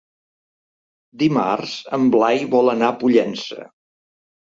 Dimarts en Blai vol anar a Pollença.